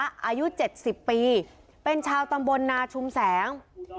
อายุ๗๐ปีเป็นชาวตำบลนาชุมแสง